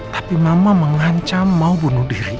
tapi mama mengancam mau bunuh diri